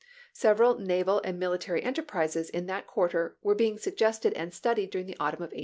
Several naval and military enterprises in that quarter were being suggested and studied during the autumn of 1861.